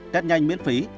test nhanh miễn phí